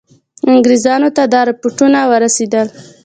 انګرېزانو ته دا رپوټونه ورسېدل.